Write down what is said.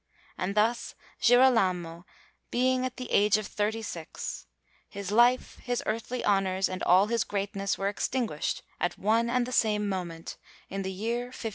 And thus, Girolamo being at the age of thirty six, his life, his earthly honours, and all his greatness were extinguished at one and the same moment, in the year 1544.